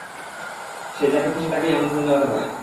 সে যাকে খুশি তাকেই আমন্ত্রণ জানাতে পারে।